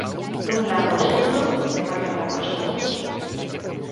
Dun lago escuro, de Marta Dacosta.